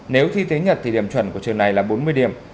nếu thi tiếng nhật thì điểm chuẩn của trường này là bốn mươi điểm